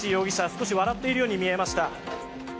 少し笑っているように見えました。